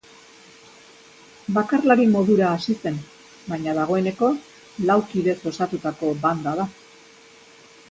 Bakarlari modura hasi zen baina dagoeneko lau kidez osatutako banda da.